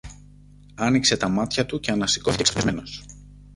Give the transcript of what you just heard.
Άνοιξε τα μάτια του και ανασηκώθηκε ξαφνισμένος.